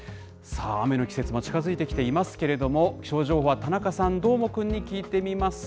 さあ、雨の季節が近づいてきていますけれども、気象情報は、田中さん、どーもくんに聞いてみます。